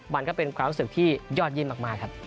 มันก็เป็นความรู้สึกที่ยอดเยี่ยมมากครับ